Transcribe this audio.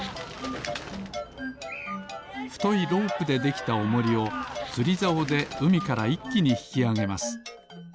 ふといロープでできたおもりをつりざおでうみからいっきにひきあげます。